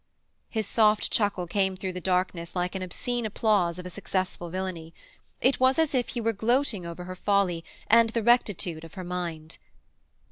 His soft chuckle came through the darkness like an obscene applause of a successful villainy; it was as if he were gloating over her folly and the rectitude of her mind.